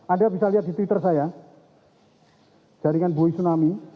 anda bisa lihat di twitter saya jaringan bui tsunami